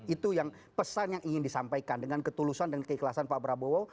itu yang pesan yang ingin disampaikan dengan ketulusan dan keikhlasan pak prabowo